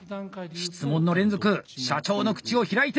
質問の連続社長の口を開いていく！